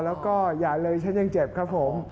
แล้วก็อย่าเลยฉันยังเจ็บครับผม